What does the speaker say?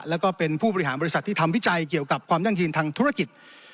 แล้วก็เป็นผู้บริหารบริษัทที่ทำวิจัยเกี่ยวกับความยั่งยืนทางธุรกิจ